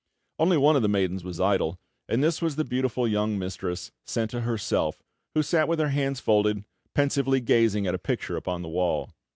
Only one of the maidens was idle; and this was the beautiful young mistress Senta herself who sat with her hands folded, pensively gazing at a picture upon the wall.